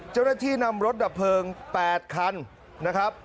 เจ้าหน้าที่นำรถดับเพลิง๘คันนะครับ